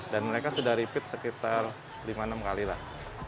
dan mereka sudah repeat sekitar lima enam kali lah